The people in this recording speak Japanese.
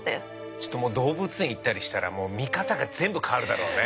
ちょっともう動物園行ったりしたらもう見方が全部変わるだろうね。